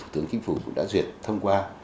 tướng kinh phủ cũng đã duyệt thông qua